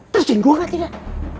tersinggung gak tidak